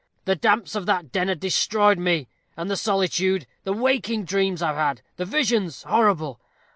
The damps of that den had destroyed me and the solitude the waking dreams I've had the visions! horrible!